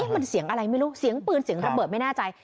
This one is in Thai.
มันเสียงอะไรไม่รู้เสียงปืนเสียงระเบิดไม่แน่ใจ